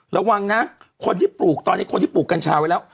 ระวังนะคนที่ปลูกตอนนี้คนที่ปลูกกัญชาไว้แล้ว